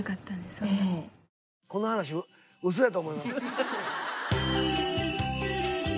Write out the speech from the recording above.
この話ウソやと思います。